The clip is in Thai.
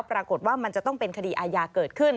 ปรากฏว่ามันจะต้องเป็นคดีอาญาเกิดขึ้น